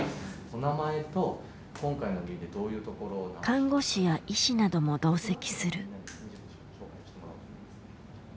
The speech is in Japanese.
看護師や医師なども同席する。